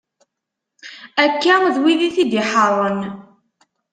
Akka d wid i t-id-iḥeṛṛen.